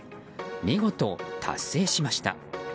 見事、達成しました。